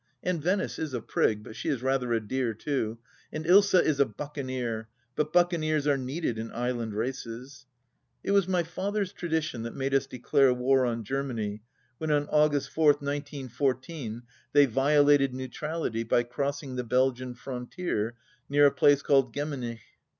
... And Venice is a prig — but she is rather a dear, too. ... And Ilsa is a buccaneer ; but buccaneers are needed in Island races. ... It was my father's tradition that made us declare war on Germany, when on August 4th, 1914, they violated neutrality by crossing the Belgian frontier " near a place called Gemmenich."